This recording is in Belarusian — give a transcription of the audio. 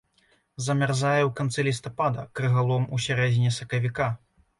Замярзае ў канцы лістапада, крыгалом у сярэдзіне сакавіка.